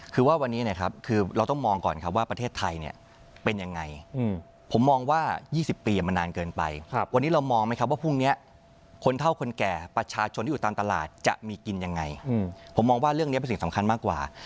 คือว่าวันนี้นะครับคือเราต้องมองก่อนครับว่าประเทศไทยเนี่ยเป็นยังไงผมมองว่า๒๐ปีมันนานเกินไปวันนี้เรามองไหมครับว่าพรุ่งนี้คนเท่าคนแก่ประชาชนที่อยู่ตามตลาดจะมีกินยังไงผมมองว่าเรื่องนี้เป็นสิ่งสำคัญมากกว่า